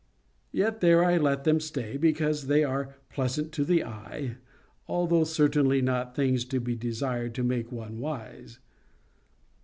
Yet there I let them stay, because they are pleasant to the eye, although certainly not things to be desired to make one wise.